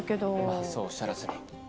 まあそうおっしゃらずに。